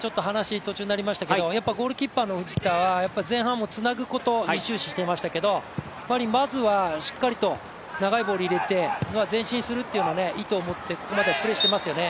ゴールキーパーの藤田は前半もつなぐことを終始していましたけれども、まずはしっかりと長いボールを入れて前進するという意図を持ってここまではプレーしていますよね。